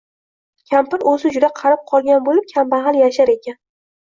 Kampir o‘zi juda qarib qolgan bo‘lib, kambag‘al yashar ekan.